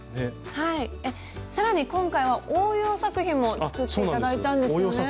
さらに今回は応用作品も作って頂いたんですよね。